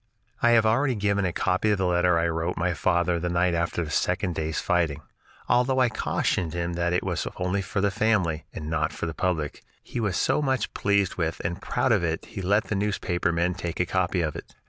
I have already given a copy of the letter I wrote my father the night after the second day's fighting. Although I cautioned him that it was only for the family, and not for the public, he was so much pleased with and proud of it that he let the newspaper men take a copy of it.